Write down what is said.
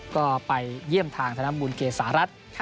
ก็ไปเยี่ยมทางธนบุญเกษารัฐ